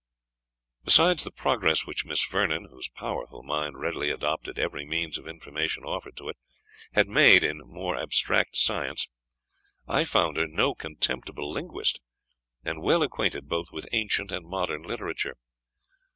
Besides the progress which Miss Vernon, whose powerful mind readily adopted every means of information offered to it, had made in more abstract science, I found her no contemptible linguist, and well acquainted both with ancient and modern literature.